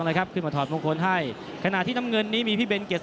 นะครับขึ้นมาถอดมงคลให้ขณะที่น้ำเงินนี้มีพี่เบนเกียรติ